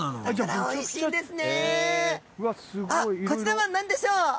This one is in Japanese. こちらはなんでしょう？